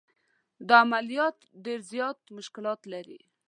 دا عملیات ډېر زیات مشکلات لري.